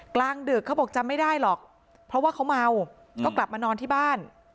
กลางดึกเขาบอกจำไม่ได้หรอกเพราะว่าเขาเมาก็กลับมานอนที่บ้าน